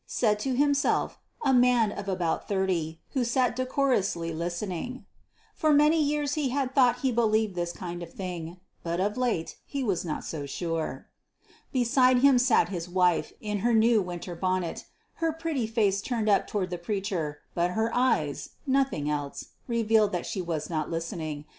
said to himself a man of about thirty, who sat decorously listening. For many years he had thought he believed this kind of thing but of late he was not so sure. Beside him sat his wife, in her new winter bonnet, her pretty face turned up toward the preacher; but her eyes nothing else revealed that she was not listening.